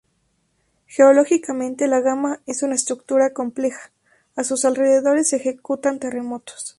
Geológicamente, la gama es una estructura compleja, a sus alrededores se ejecutan terremotos.